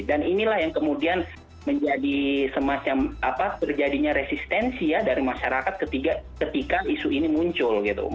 dan inilah yang kemudian menjadi semacam apa terjadinya resistensi ya dari masyarakat ketika isu ini muncul gitu